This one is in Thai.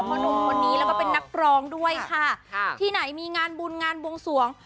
หนุ่มคนนี้แล้วก็เป็นนักร้องด้วยค่ะที่ไหนมีงานบุญงานบวงสวง